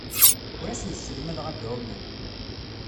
Ur asen-sselmadeɣ ad ɛumen.